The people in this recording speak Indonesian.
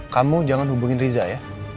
kamu jangan hubungin riza ya